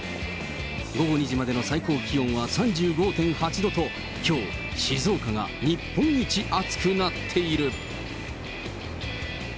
午後２時までの最高気温は３５．８度と、きょう、静岡が日本一暑くなっている。